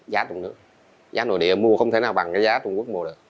giá trung quốc giá nội địa mua không thể nào bằng cái giá trung quốc mua được